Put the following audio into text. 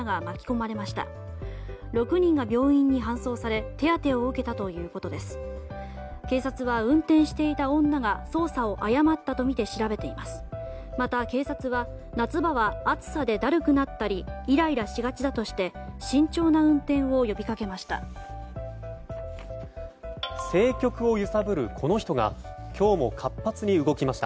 また警察は、夏場は暑さでだるくなったりイライラしがちだとして慎重な運転を呼びかけました。